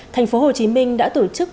tp hcm đã tổ chức